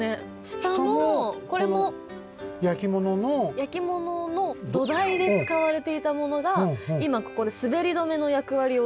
焼き物の土台で使われていたものがいまここですべりどめのやくわりを。